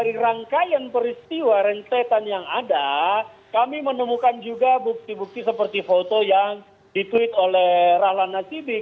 dari rangkaian peristiwa rentetan yang ada kami menemukan juga bukti bukti seperti foto yang dituit oleh rahlam nasidi